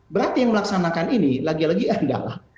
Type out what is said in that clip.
berarti yang melaksanakan ini lagi lagi adalah